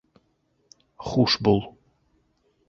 Хуш бул.